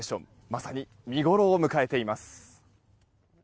まさに見ごろを迎えています。